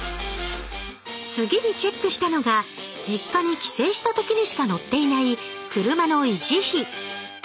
次にチェックしたのが実家に帰省した時にしか乗っていない車の維持費